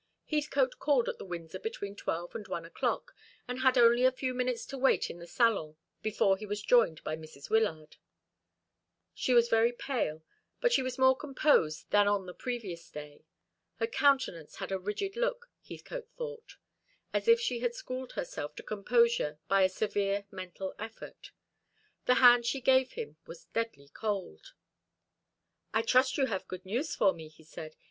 Heathcote called at the Windsor between twelve and one o'clock, and had only a few minutes to wait in the salon before he was joined by Mrs. Wyllard. She was very pale, but she was more composed than on the previous day. Her countenance had a rigid look, Heathcote thought; as if she had schooled herself to composure by a severe mental effort. The hand she gave him was deadly cold. "I trust you have good news for me," he said.